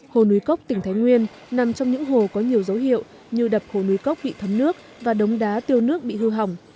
hồ núi cốc tỉnh thái nguyên nằm trong những hồ có nhiều dấu hiệu như đập hồ núi cốc bị thấm nước và đống đá tiêu nước bị hư hỏng